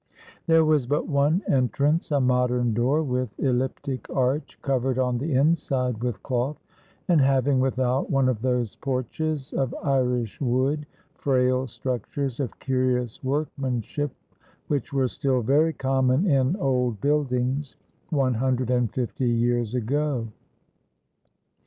There was but one entrance, a modern door, with elliptic arch, covered on the inside with cloth, and hav ing without one of those porches of Irish wood, frail structures of curious workmanship, which were still very common in old buildings one hundred and fifty years ago.